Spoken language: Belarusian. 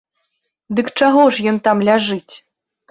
Дык чаго ж ён там ляжыць?